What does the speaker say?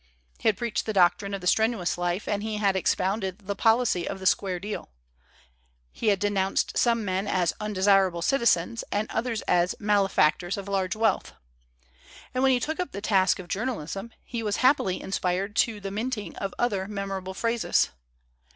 He had preached the doctrine of the Strenuous Life and he had expounded the policy of the Square Deal. He had denounced some men as Undesirable Citizens and others as Malefactors of Large Wealth. And when he took up the task of journalism he was happily inspired to the minting of other memorable phrases.